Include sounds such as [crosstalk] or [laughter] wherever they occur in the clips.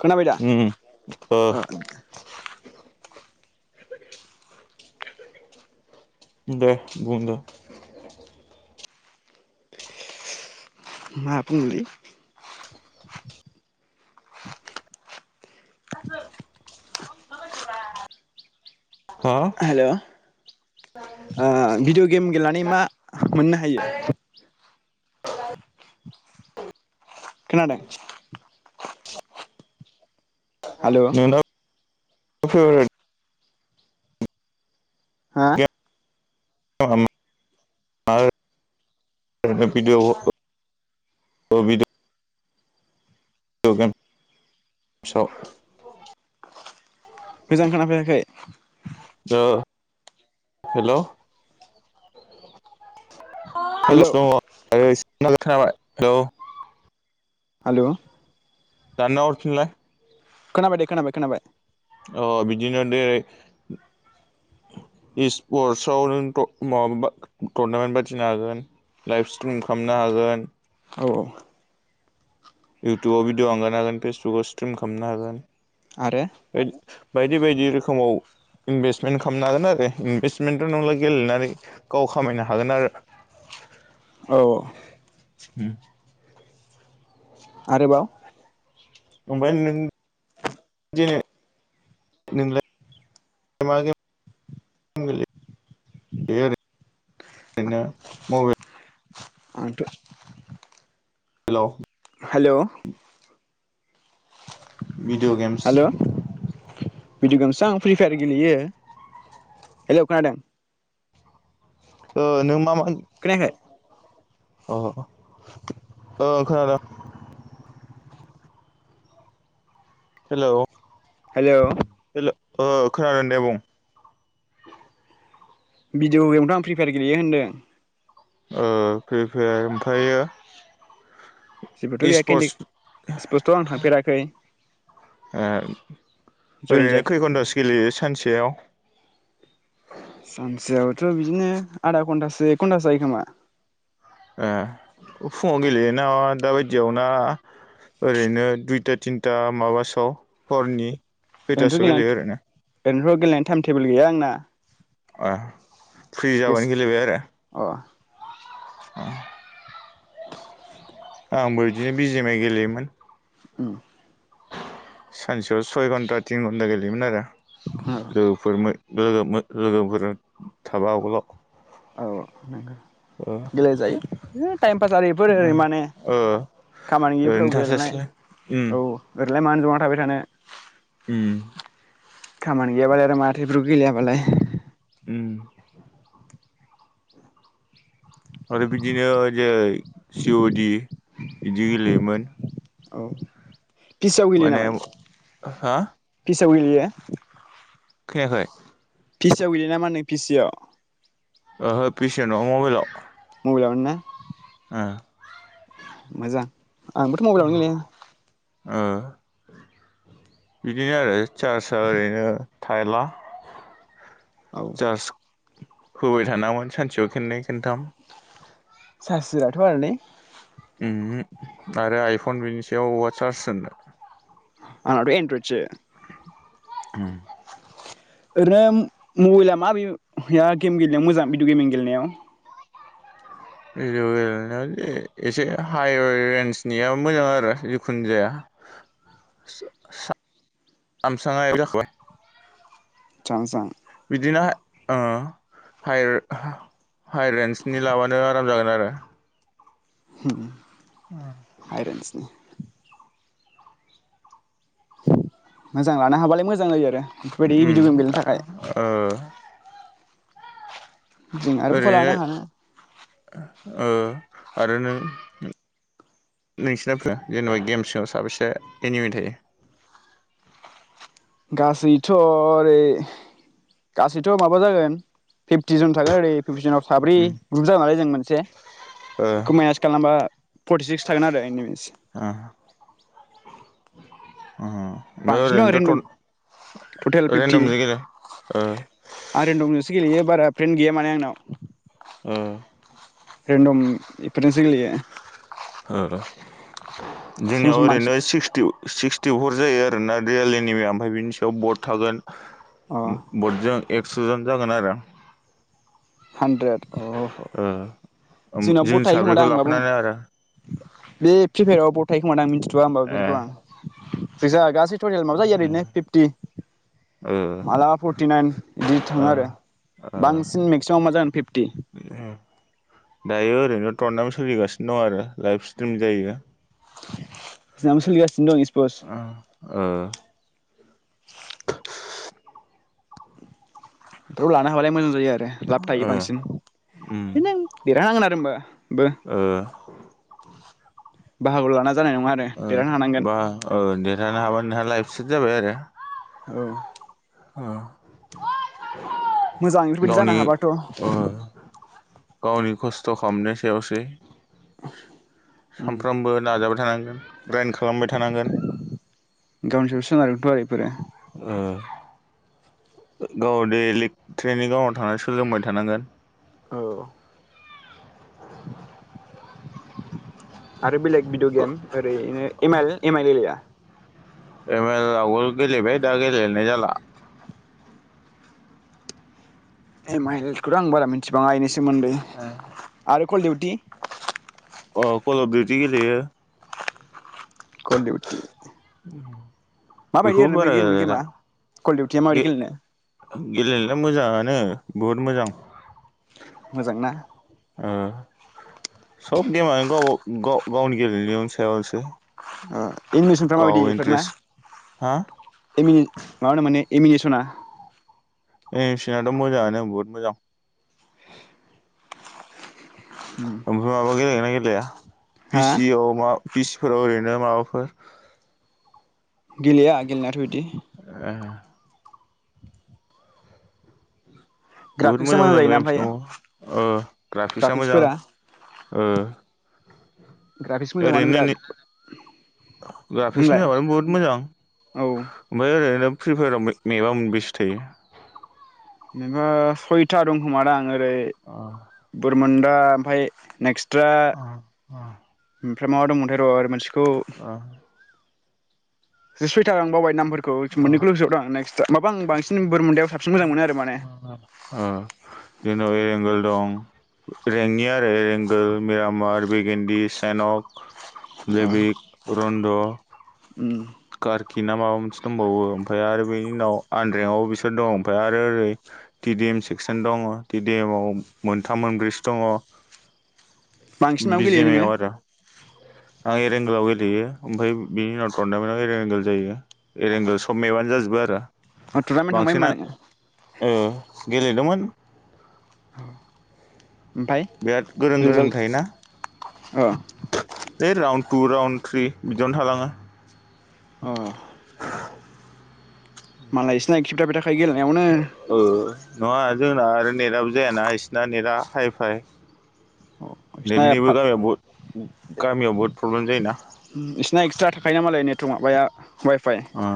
खोनाबाय दा ओम औ [inaudible] दे बुंदो मा बुंनोलै? हो हेल' ओ भिडिअ' गेम गेलेनानै मा मोननो हायो? खोनादों हेल' फेब्रेट हा हो मा video game video video game स मोजां खोना फैयाखै ओ हेल' हेल' हेलस दं‌ हाय‌ गायस खोनाबाय खोनाबाय औ हेल' दानना हरफिनलाय। खोनाबाय दे खोनाबाय खोनाबाय। ओ बिदिनो जेरै स्पर्टसआव माबा टरनामेन्ट बादिनो हागोन लाइभ स्ट्रिम खालामनो हागोन औ औ इउटुबाव भिडिअ आंगारनो हागोन फेसबुकाव स्ट्रिम खालामनो आरो हागोन। [inaudible] बायदि बायदि रोखोमाव इनभेस्टमेन्ट खालामनो हागोन आरो इनभेस्टमेन्टथ' नंला गेलेनानै गाव खामायनो हागोन आरो। औ उम आरो बाव [unintelligible] आंथ' hello hello video games video गेमसा आं फ्रि फायार गेलेयो हेलौ खोनादों? ओ नों मा मा खोनायाखै? ओ ओं खोनादों। हेलौ हेलौ ओ खोनादों दे बुं भिडिअ गेमथ आं प्रिपायार गेलेयो होनदों ओ प्रिफायार ओमफ्रायो जेबोथ गैया इस्पर्टस केन्दि स्पस्थखौथ आं थांफेराखै ए जयेन ओरैनो जायाखै खै खन्थासो गेलेयो सानस सेयाव सानसेयावथ बिदिनो आधा घन्टासो एक घन्टासो जायो खोमा एह फुङाव गेलेयोना दाबायदियावना ओरैनो दुइथा थिनथा माबा सोआव हरनि ओरैनोथ' खैयथासोआव गेलेनाय गेलेयो ओरैनो ओरैनोथ गेलेनायनि टाइम टेबोल गैया आंना ए फ्रि गेस जाबानो गेलेबाय आरो अ [inaudible] आंबो इदिनो बिजिमाइ गेलेयोमोन उम सानसेयाव सय घन्टा तिन घन्टा गेलेयोमोन आरो औ लोगोफोर मो लोगोमोन लोगोफोरजो थाबा आगोलाव औ नंगौ गेले जायो टाइम पास आरो बेफोर ओरै माने ओ खामानि गैयिफोराव ओरैनो गेलेनाय थास्लायस्लाय उम औ ओरैलाय मानो जना थाबाय थानायानो उम खामानि गैयाबालाय आरो माथो बेफोरखौ गेलेयाबालाय उम आरो बिदिनो जे सि अ डि बिदि गेलेयोमोन औ पिसिआव गेलेयो माने नामा हा? [unintelligible] गेलेयो खैयाखै पिसिआव गेलेयो ना मानो पिसिआव ओहो पिसिआव नङा मबाइलाव। मबाइलावनो ना? ओ मोजां आंबोथो मबाइलावनो गेलेयो। ओ बिदिनो आरो चार्चआ ओरैनो थायाला [unintelligible] औ होबाय थानाङामोन सानसेयाव खेननै खोनथाम सार्स होआथ' आरो ने उमहो आरो आइफन बिनि सायाव औहा चार्ज जानो। आंनाथ' एनरइदसो उम ओरैनो मबेइला माबेआ गेम गेलेनायाव मोजां भिदिअ' गेमिं गेलेनायाव [unintelligible] इसे [unintelligible] रेन्जनिया मोजां आरो जिखिनु जाया [unintelligible] चांसां बिदिनो ओ हाय हाइ रेन्सनि लाबानो आराम जागोन। आरो होम हायरेनसनि मोजां लानो हाबालाय मोजां जायो आरो बेफोरबायदि उम भिडिअ' गेम गेलेनो थाखाय। ओ जों आरो पक' ओरैनो लानो हानो ओ आरो नों नोंसिना [unintelligible] जेनेबा गेम्साव साबेसे एनिमि थायो? गासैथ' ओरै गासैथ' माबा जागोन फिफ्टि जन थागोन ओरै [unintelligible] साब्रै उम ग्रुप जानानै जों मोनसे ओ क माइनास खालामबा फर्टि सिक्स थागोन आरो एनिमिस आ बांसिनथ' आं रेन्दम ओमफ्राय टटेल फिफ्टि ओरैनोथ' आं [unintelligible] रेन्दमजोंसो गेलेयो बारा फ्रेन्ड गैया माने आंनाव। ओ रेन्दम इफोरजोंसो गेलेयो। हो ओ सम जोंनियाव सम ओरैल' बांसिन सिक्सटि। सिक्सटि फर जायो आर ना रियलिनि ओमफ्राय बिनि सायाव बड अ थागोन। [unintelligible] एक्सजन जागोन आरो हानद्रेड अ अ ओ जोंनाव जों बद थायो खोमा साब्रैखौ दां माबा लाफानानै आरो बे प्रिफाययाराव बद थायो खोमा दां मिथि थ आ होनबाबो ए फेरखौ होआ आं जोजा गासै टटेल माबा जायो आरो इदिनो फिफ्टि ओ मालाबा फरटिनाइन इदि ओ थाङो आरो ओ बांसिन बेव माजागोन फिफटि दायो ओरैनो टरनामेन्ट सोलिगासिनो दं आरो लाइभ स्ट्रिम जायो। जोनाबो सोलिगा ओ ओ बेफोरखौ लानो हाबालाय मोजां जायो आरो लाब थायो बांसिन उम दिनो देरहानांगोन आरो होमबा बो ओ बाहागो लाना जानाय नङा आरो ओ देरहानो हानांगोन बा ओ देरहानो हाबा नोंहा लाइफ सेब जाबाय आरो औ ओ मोजां इफोरबायदि गावनि जानो हाबाथ' ओ गावनि खस्थ' खामनाय सायावसो सो-सामफ्रामबो नाजाबा थानांगोन। ग्राइन्ड खालामबाय थानांगोन [inaudible] गावनि सायाव सोनारोथ' बेफोरो ओ गाव देलिक ट्रेइनिं ग्रावनाव थांनानै सोलोंबाय थानांगोन। औ आरो बेलेग भिडिअ गेम ओरैनो एम आइल एम आइल गेलेया? एम एल आवगोल गेलेबाय दा गेलेनाय जाला। एम आइलखौथ' आं बारा मि थिबाङा इनि सोमोन्दै आरो कलडिउटि। अ कल अब दिउटि गेलयो। कलदिउटि। [unintelligible] माबायदि बेखौबो ओरैनो बे बारा गेलेनो गेमा गेलेला कल डिउटिया माबायदि गेलेनो? गेलेनायला मोजाङानो बहुद मोजां। मोजांना ओ सब गेमानो गावबा गाव- गावनि गेलेनायनि सायावसो। ओ एनिमिसनफ्रा माबायदि गाव बेफोरना इन्ट्रेस्ट हा एमि-मा होनो माने। एमिनेसना एनिमिसनाथ' मोजाङानो बहुत मोजां। उम आमफ्राय माबा [unintelligible] गेलेआ फि हा सि अ मा? बिसफोरा ओरैनो माबाफोर। गेलेया गेलेनायाथ इदि। ओ बहुत ग्राफिक्सआ मोजां मोजां जायोना एमस दङ ओमफ्रायो ओ-ग्राफिक्सआ मोजां ग्राफिक्सफोरा ओ- ग्राफिक्स मोजां मानो ओरैनो बिराद ग्राफिक्स बुंलाय मोजांबानो बहुद मोजां औ ओमफ्राय ओरैनो प्रिफायाराव मे- मेबा मोनबैसे थायो? नोङो सयथा दं खोम दां। ओरै बुर मोनदा ओमफफ्राय नेक्स्ट। अ अ फ्राय दंमोनथाय र आरो मोनस खौ सुइटार आं बावबाय नामफोर। खौ मोननैखौ'सो आं नेक्स् माबा आं बांसिन बोर मोनदा। ओ-जोंनाव एरंगोल दं। रेंनि आरो रेंगोल मिरामार बिगन्दि सेनक। अ लेबिख। टरनन्द उम। खि ना माबा मोनसे दंबावोओमफाय आरो बेनि उनाव आनरेंआव बिसोर दं। ओमफाय आरो ओरै टि डि एम सेक्सन दङ टि डि एम आव मोनथाम मोनब्रैसो दङ। बांसिन मायाव गेलेयो नोङो? बिजिएमआव आरो आं एरेंगोलाव गेलेयो ओमफ्राय बिनि उनाव टरनामेन्टाव एरेंगोल जायो एरेंगोल सब मेबानो जाजोबो आरो। टुरनामेट थांबाय होनबा नोङो? औ गेलेदोंमोन। [inaudible] बिराद गोरों गोरों रिजाल्ट थायोना अ बै राउ टु राउन्ड थ्रि बिदियावनो थालाङो अ मालाय इसिना एकटिब थाबा खायोनो ओ नआ जोंना आरो नेटआबो जायाना इसिना नेटआ हाइ फाइ बिसिना नेटनिबो गामियाव गामियाव बहुत प्रब्लेम जायोना। बिसिना एक्सट्रा थाखायो मालाय नेटवं माबाया वायफाय ओ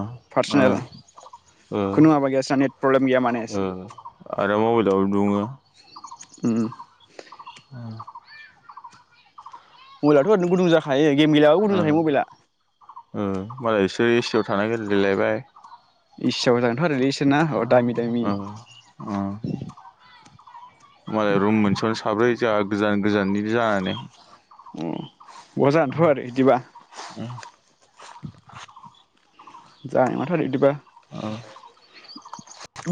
ओ पारसनेल ओ खुनु माबा गैया नेट प्रब्लेम गैया माने। ओ आरो मबाइलाव दुङो उम उम मबेलआथ' ओरैनोु गुदुं जाखायो। गेम गेलेयाबो गदुं जाहायो मबाइला। मालायसो ए सि आव थाना गेम गेलेलायबाय। ए सि आव जागोनथ' आरोलै। ना अ दामि दामि ओ ओ मालाय रुम मोनसेयावनो साब्रै जोंहा गोजान गोजाननि जानानै ओम मोजांथ आरो इदिबा ओ जानाय नङाथ' आरो इदिबा। ओ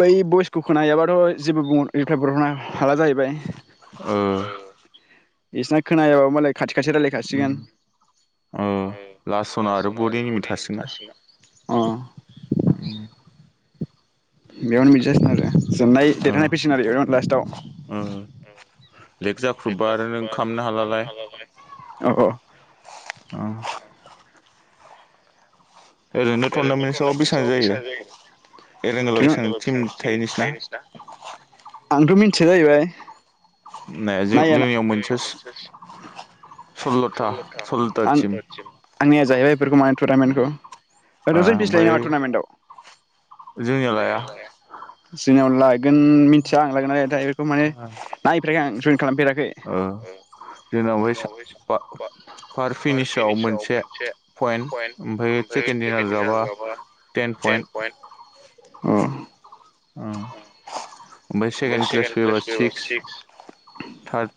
बै बइसखौ खोनायाबाथ' जेबो बुंहर [unintelligible] हाला जाहैबाय ओ इसना खोनाया मालाय। खाथि खाथि उम रायजलायखासिगोन। ओ लास्ट सना आरो बड एनिमिट थासिगोना अ उम बेयावनो बिदि जासिनो आरो जेननाय ओ देरनाय फैसिगोन आरो बे लास्टआव। ओ लेग जाख्रुबबा आरो नों खालामनो हालालाय ओ ओरैनो टुरनामेन्टसआव बेसेबां जायो एरेंगलाव बेसेबां टिम थायो नोंसिना? आंथ' मिथिया जाहैबाय। [inaudible] नाय जों नाया जोंनियाव मोनसे सल्ल'था सल्ल'था आं टिम ओ आंनिया जाहैबाय इफोरखौ माने टुटामेन्टखौ ओ दजौ फिस लायो ओमफ्राय नामा टुनामेन्टाव जोंनिया लाया जोंनियाव लागोन मिथिया आं लागोन ना लायाथाय बेफोरखौ माने नायफेराखै आं जयेन खालामफेराखै ओ जोंनाव बायसा बा पार फिनिसाव मोनसे पइन्ट ओमफ्राय सेकेणड दिनार जाबा टेन पइन्ट। अ ओ ओमफाय सेकेन्ड प्लेस फैबा सिक्स थार्द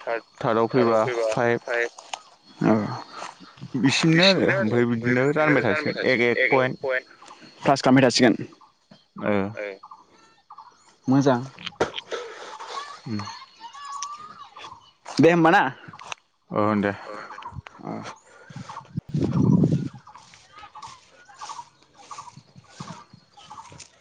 थार्दआव फैबा फाइभ। औ बिसिमनो आरो ओमफ्राय बिदिनो रानबाय थासिगोन एक एक पइन्ट प्लास खामबाय थासिगोन। मोजां उम दे होमबा ना? औ दे अ [inaudible]